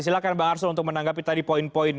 silahkan bang arsul untuk menanggapi tadi poin poin